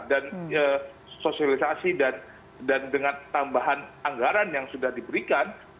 dan sosialisasi dan dengan tambahan anggaran yang sudah diberikan